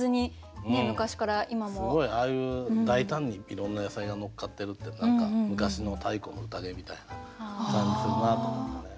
すごいああいう大胆にいろんな野菜が載っかってるって何か昔の太古の宴みたいな感じするなと思ってね。